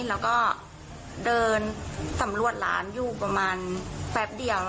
แล้วก็เดินสำรวจร้านอยู่ประมาณแป๊บเดียว